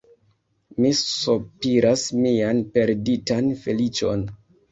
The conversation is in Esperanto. Mi sopiras mian perditan feliĉon.